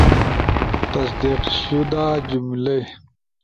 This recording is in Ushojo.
تصدیق شدہ جملئی